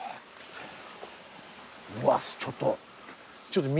うわちょっと。